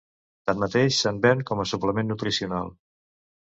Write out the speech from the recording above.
Tanmateix, se'n ven com a suplement nutricional.